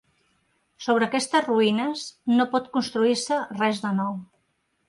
Sobre aquestes ruïnes no pot construir-se res de nou.